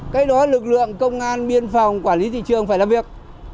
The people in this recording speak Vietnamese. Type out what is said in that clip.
cái đó lực lượng công an biên phòng quản lý thị trường phải làm việc